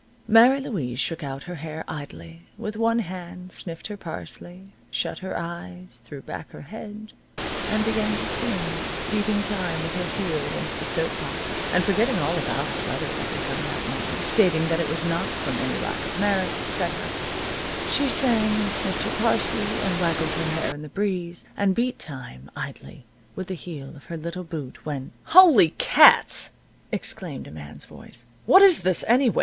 Mary Louise shook out her hair idly, with one hand, sniffed her parsley, shut her eyes, threw back her head, and began to sing, beating time with her heel against the soap box, and forgetting all about the letter that had come that morning, stating that it was not from any lack of merit, etc. She sang, and sniffed her parsley, and waggled her hair in the breeze, and beat time, idly, with the heel of her little boot, when "Holy Cats!" exclaimed a man's voice. "What is this, anyway?